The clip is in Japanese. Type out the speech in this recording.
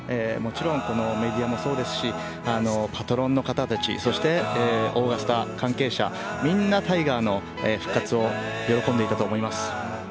もちろんメディアもそうですし、パトロンの方たち、そしてオーガスタ関係者、みんなタイガーの復活を喜んでいたと思います。